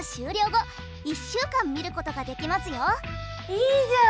いいじゃん！